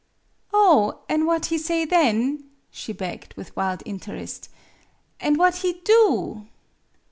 " Oh! an' what he say then," she begged, with wild interest, "an' what he do?"